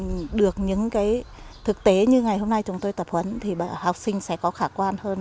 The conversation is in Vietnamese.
sử dụng được những thực tế như ngày hôm nay chúng tôi tập huấn thì học sinh sẽ có khả quan hơn